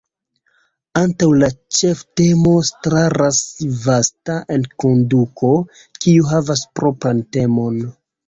Antaŭ la ĉeftemo staras vasta enkonduko, kiu havas propran temon.